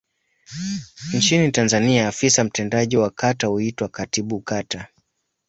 Nchini Tanzania afisa mtendaji wa kata huitwa Katibu Kata.